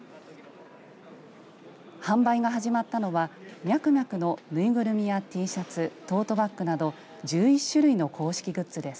販売が始まったのはミャクミャクの縫いぐるみやＴシャツトートバッグなど１１種類の公式グッズです。